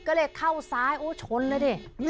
ก็เลยเข้าซ้ายโอ้ชนเลยดิ